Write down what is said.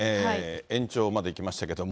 延長までいきましたけども。